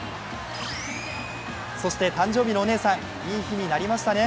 そして誕生日のお姉さん、いい日になりましたね。